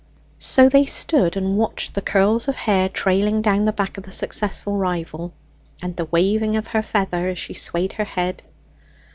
So they stood and watched the curls of hair trailing down the back of the successful rival, and the waving of her feather, as she swayed her head.